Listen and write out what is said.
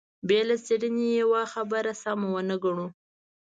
بې له څېړنې يوه خبره سمه ونه ګڼو.